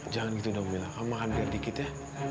jangan gitu dong mila kamu makan sedikit ya